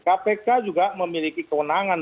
kpk juga memiliki kewenangan